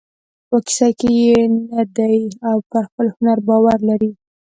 په کیسه کې یې نه دی او پر خپل هنر باور لري.